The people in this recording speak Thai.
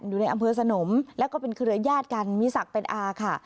อยู่ในอำเภอสนมแล้วก็เป็นเครือญาติกันมีศักดิ์เป็นอาค่ะ